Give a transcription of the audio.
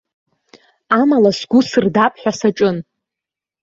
Амала сгәы сырдап ҳәа саҿын.